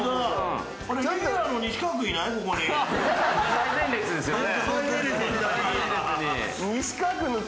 ・最前列ですよね。